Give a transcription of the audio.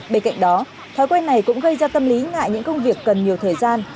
bên cạnh đó thói quen này cũng gây ra tâm lý ngại những công việc cần nhiều thời gian